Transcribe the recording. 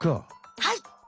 はい。